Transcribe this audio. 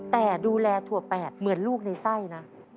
แต่ดูแลถั่วแปดเหมือนลูกในไส้นะ